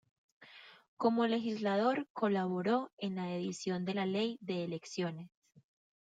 Como legislador colaboró en la edición de la ley de elecciones.